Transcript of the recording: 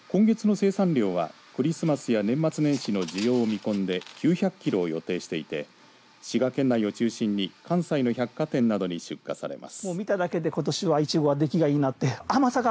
今月の生産量はクリスマスや年末年始の需要を見込んで９００キロを予定していて滋賀県内を中心に関西の百貨店などに出荷されます。